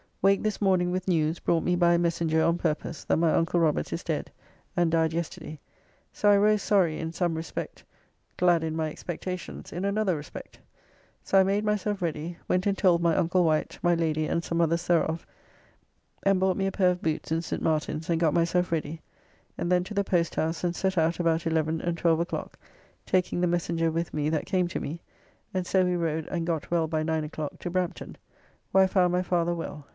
Waked this morning with news, brought me by a messenger on purpose, that my uncle Robert is dead, and died yesterday; so I rose sorry in some respect, glad in my expectations in another respect. So I made myself ready, went and told my uncle Wight, my Lady, and some others thereof, and bought me a pair of boots in St. Martin's, and got myself ready, and then to the Post House and set out about eleven and twelve o'clock, taking the messenger with me that came to me, and so we rode and got well by nine o'clock to Brampton, where I found my father well.